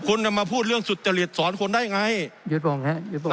คุณจะมาพูดเรื่องสุจริตสอนคนได้ไงหยุดโปรงครับหยุดโปรงครับ